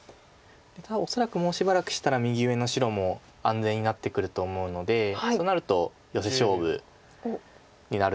多分恐らくもうしばらくしたら右上の白も安全になってくると思うのでそうなるとヨセ勝負になるんですけど。